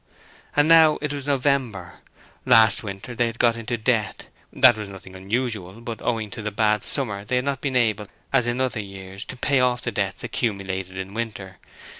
And now it was November. Last winter they had got into debt; that was nothing unusual, but owing to the bad summer they had not been able, as in other years, to pay off the debts accumulated in winter.